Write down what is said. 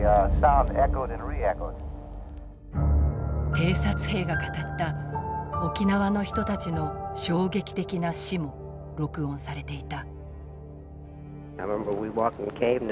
偵察兵が語った沖縄の人たちの衝撃的な死も録音されていた。